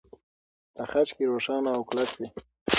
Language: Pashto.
په خج کې روښانه او کلک وي.